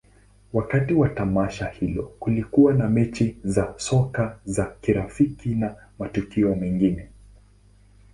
Wakati wa tamasha hilo, kulikuwa na mechi za soka za kirafiki na matukio mengine.